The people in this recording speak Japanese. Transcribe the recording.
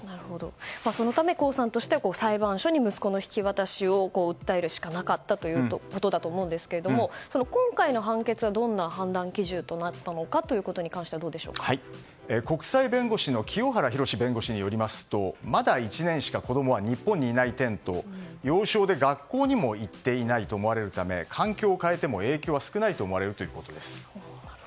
そのため江さんとしては裁判所に息子の引き渡しを訴えるしかなかったということだと思いますが今回の判決はどんな判断基準となったのかに国際弁護士の清原博弁護士によりますとまだ１年しか子供が日本にいない点と幼少で学校にも行っていないと思われるため環境を変えても影響が少ないと思われるということです。